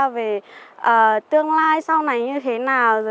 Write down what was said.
về tương lai sau này như thế nào rồi các thứ nữa